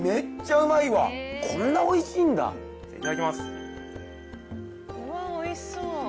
うわ美味しそう。